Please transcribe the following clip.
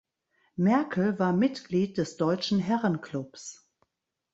Merkel war Mitglied des Deutschen Herrenklubs.